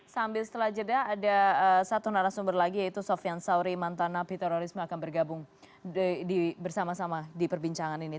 sambil setelah jeda ada satu narasumber lagi yaitu sofian sauri mantan api terorisme akan bergabung bersama sama di perbincangan ini